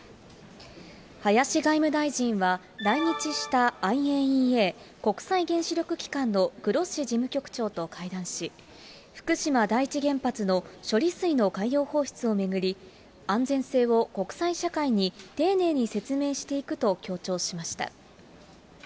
林外務大臣は、来日したＩＡＥＡ・国際原子力機関のグロッシ事務局長と会談し、福島第一原発の処理水の海洋放出を巡り、安全性を国際社会に丁寧に説明していくと強調しました。